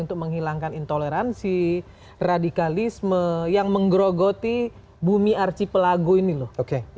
untuk menghilangkan intoleransi radikalisme yang menggerogoti bumi arci pelago ini loh